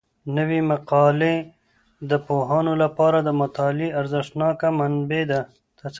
نوي مقالې د پوهانو لپاره د مطالعې ارزښتناکه منبع ده.